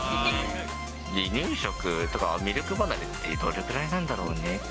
離乳食とかミルク離れって、どれくらいなんだろうね。